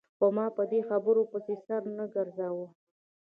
خو ما په دې خبرو پسې سر نه ګرځاوه.